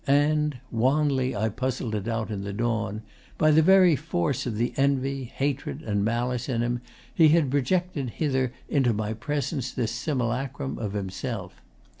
And wanly I puzzled it out in the dawn by very force of the envy, hatred, and malice in him he had projected hither into my presence this simulacrum of himself.